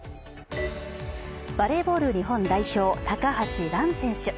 バレーボール日本代表高橋藍選手。